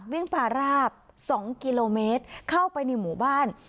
วิ่งผ่าราบสองกิโลเมตรเข้าไปในหมู่บ้าน